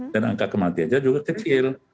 dan angka kematiannya juga kecil